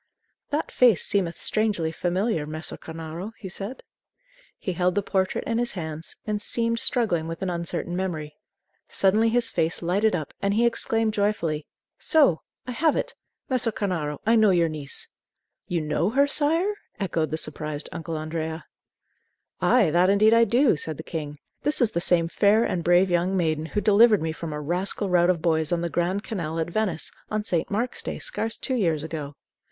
"That face seemeth strangely familiar, Messer Cornaro," he said. He held the portrait in his hands, and seemed struggling with an uncertain memory. Suddenly his face lighted up, and he exclaimed joyfully: "So; I have it! Messer Cornaro, I know your niece." "You know her, sire?" echoed the surprised Uncle Andrea. "Ay, that indeed I do," said the king. "This is the same fair and brave young maiden who delivered me from a rascal rout of boys on the Grand Canal at Venice, on St. Mark's Day, scarce two years ago."